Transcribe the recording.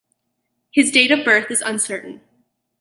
His date of birth is uncertain.